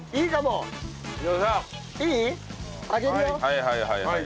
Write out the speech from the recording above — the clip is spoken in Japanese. はいはいはいはい。